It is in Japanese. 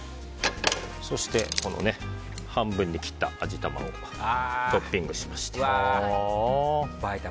そして、半分に切った味玉をトッピングしまして。